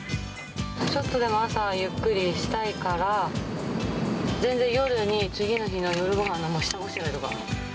ちょっとでも朝はゆっくりしたいから、全然夜に、次の日の夜ごはんの下ごしらえとか。